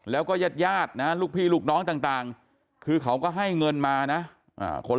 แล้วก็ญาติญาตินะลูกพี่ลูกน้องต่างคือเขาก็ให้เงินมานะ